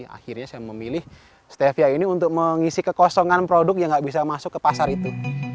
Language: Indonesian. akhirnya saya memilih stevia ini untuk mengisi kekosongan produk yang gak bisa masuk ke pasar itu